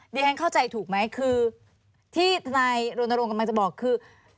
เณียงเข้าใจถูกไหมคือที่นายโรนโลงกำลังจะบอกคือ